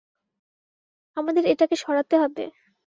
আমাদের এটাকে সরাতে হবে।